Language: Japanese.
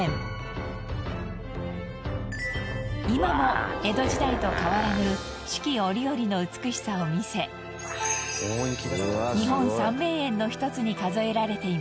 今も江戸時代と変わらぬ四季折々の美しさを見せ日本三名園の一つに数えられています。